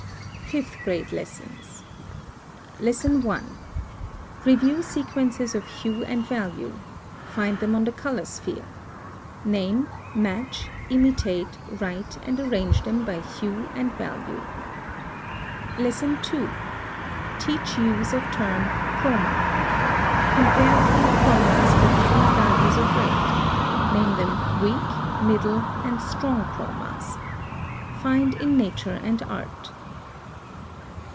FIFTH GRADE LESSONS. 1. Review sequences of hue and value. Find them on the color sphere. Name, match, imitate, write, and arrange them by hue and value. 2. Teach use of term CHROMA. Compare three chromas with three values of red. Name them WEAK, MIDDLE, and STRONG chromas. Find in nature and art.